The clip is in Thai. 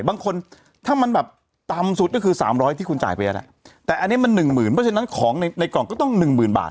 บางคนถ้ามันแบบต่ำสุดก็คือสามร้อยที่คุณจ่ายไปนั่นแหละแต่อันนี้มันหนึ่งหมื่นเพราะฉะนั้นของในในกล่องก็ต้องหนึ่งหมื่นบาท